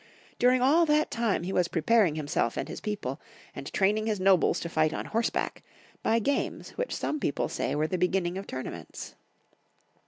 During all that time he was preparing himself and his people, and traimng his nobles to fight on horseback, by games which some people say were the beginning of tournaments.